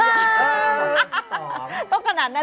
เออ